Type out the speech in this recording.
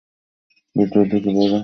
ভেতরে ঢুকে পড়ো!